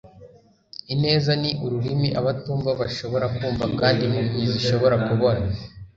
ineza ni ururimi abatumva bashobora kumva kandi impumyi zishobora kubona